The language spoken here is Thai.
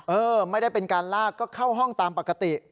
เออไม่ได้เป็นการลากก็เข้าห้องตามปกติ